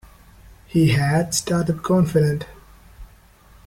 He had started confident.